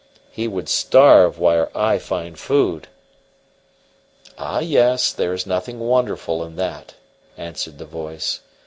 He would starve where I find food!" "Ay, yes, there is nothing wonderful in that," answered the voice.